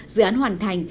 dự án hoàn thành